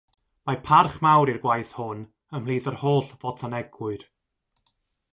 Mae parch mawr i'r gwaith hwn ymhlith yr holl fotanegwyr.